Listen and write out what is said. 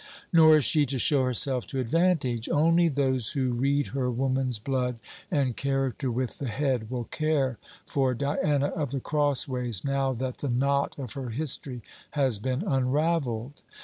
Nor is she to show herself to advantage. Only those who read her woman's blood and character with the head, will care for Diana of the Crossways now that the knot of her history has been unravelled.